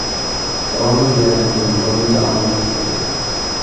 داۋاملىق ياردەم قىلىڭ، بولمىسا ئامىتىڭىز قاچىدۇ.